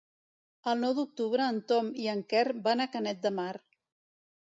El nou d'octubre en Tom i en Quer van a Canet de Mar.